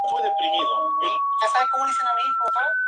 Disputó tres fechas con un Škoda Fabia y dos con un Ford Fiesta.